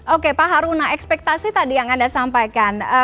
oke pak haruna ekspektasi tadi yang anda sampaikan